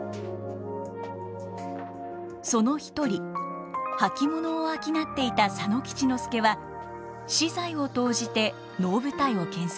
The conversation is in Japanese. その一人履物を商っていた佐野吉之助は私財を投じて能舞台を建設。